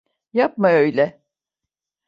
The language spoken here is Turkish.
Yapma öyle.